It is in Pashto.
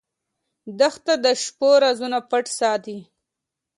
دښته د شپو رازونه پټ ساتي.